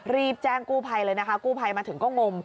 รีบแจ้งกู้ภัยเลยนะคะกู้ภัยมาถึงก็งม